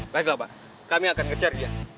baiklah pak kami akan nge charge dia